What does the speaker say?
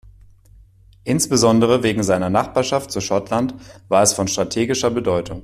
Insbesondere wegen seiner Nachbarschaft zu Schottland war es von strategischer Bedeutung.